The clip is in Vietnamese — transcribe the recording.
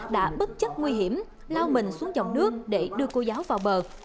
đã bất chấp nguy hiểm lao mình xuống dòng nước để đưa cô giáo vào bờ